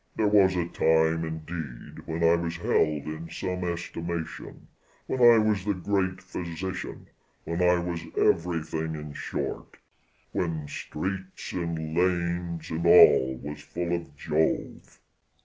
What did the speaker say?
There was a time, indeed, when I was held in some estimation, when I was the great physician, when I was everything, in short "When streets, and lanes, and all was full of Jove."